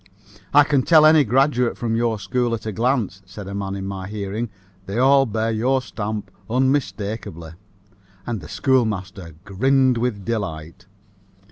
"I can tell any graduate of your school at a glance," said a man in my hearing. "They all bear your stamp unmistakably." And the schoolmaster grinned with delight.